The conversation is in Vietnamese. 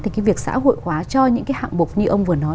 thì việc xã hội hóa cho những hạng bục như ông vừa nói